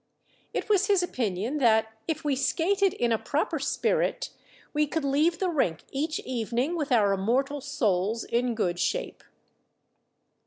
It was his opinion that, if we skated in a proper spirit, we could leave the rink each evening with our immortal souls in good shape.